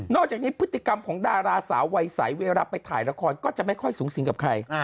จากนี้พฤติกรรมของดาราสาววัยใสเวลาไปถ่ายละครก็จะไม่ค่อยสูงสิงกับใคร